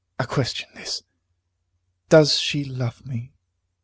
A question this. Does she love me?